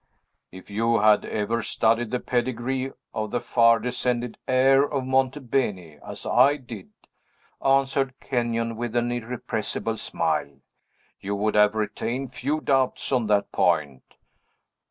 "If you had ever studied the pedigree of the far descended heir of Monte Beni, as I did," answered Kenyon, with an irrepressible smile, "you would have retained few doubts on that point.